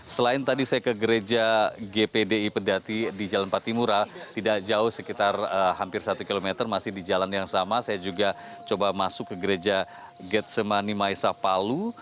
selain tadi saya ke gereja gpdi pedati di jalan patimura tidak jauh sekitar hampir satu km masih di jalan yang sama saya juga coba masuk ke gereja getsemani maesapalu